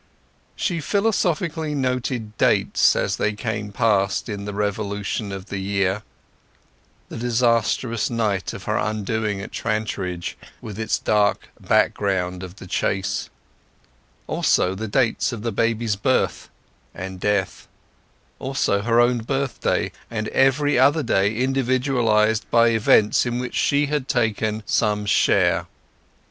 She philosophically noted dates as they came past in the revolution of the year; the disastrous night of her undoing at Trantridge with its dark background of The Chase; also the dates of the baby's birth and death; also her own birthday; and every other day individualized by incidents in which she had taken some share.